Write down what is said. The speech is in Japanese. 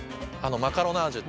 マカロナージュ中？